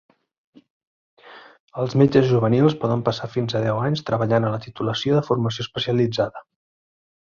Els metges juvenils poden passar fins a deu anys treballant a la titulació de formació especialitzada.